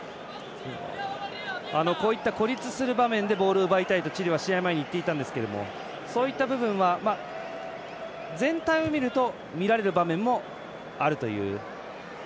こういった孤立した場面でボールを奪いたいとチリは試合前に言っていたんですけどそういった部分は全体を見ると見られる場面もあるという。